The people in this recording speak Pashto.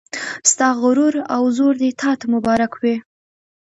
ستا غرور او زور دې تا ته مبارک وي